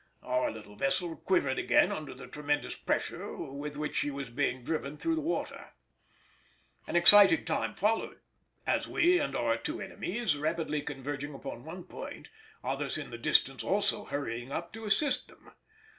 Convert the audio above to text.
Our little vessel quivered again under the tremendous pressure with which she was being driven through the water. An exciting time followed, as we and our two enemies rapidly converged upon one point, others in the distance also hurrying up to assist them.